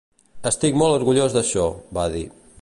"Estic molt orgullós d'això", va dir.